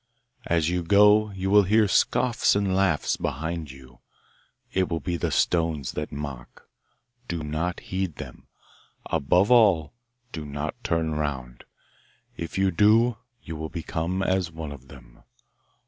As you go you will hear scoffs and laughs behind you; it will be the stones that mock. Do not heed them; above all, do not turn round. If you do you will become as one of them.